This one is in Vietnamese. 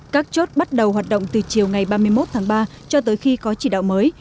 các chốt bắt đầu hoạt động từ chiều ngày ba mươi một tháng ba cho tới khi có chỉ đạo mới